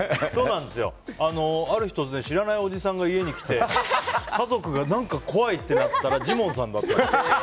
ある日、突然知らないおじさんが家に来て、家族が何か怖いってなったらジモンさんだったんです。